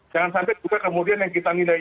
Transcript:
jangan sampai juga kemudian yang kita nilai